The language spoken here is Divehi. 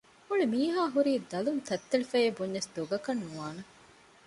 މުޅި މީހާ ހުރީ ދަލުން ތަތްތެޅިފަޔޭ ބުންޏަސް ދޮގަކަށް ނުވާނެ